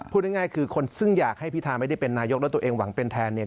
พูดง่ายคือคนซึ่งอยากให้พิธาไม่ได้เป็นนายกแล้วตัวเองหวังเป็นแทนเนี่ย